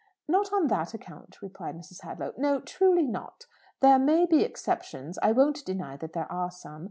"Not on that account," replied Mrs. Hadlow. "No; truly not. There may be exceptions I won't deny that there are some.